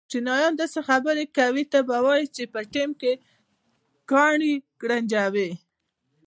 چینایان داسې خبرې کوي ته به وایې چې په ټېم کې کاڼي گړنجوې.